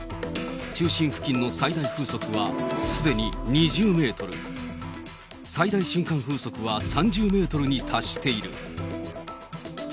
中心付近の最大風速は、すでに２０メートル、最大瞬間風速は３０メートルに達している。